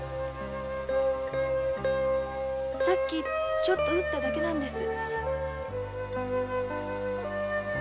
さっきチョット打っただけなんです。